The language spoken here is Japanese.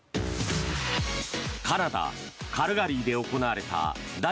カナダ・カルガリーで行われた第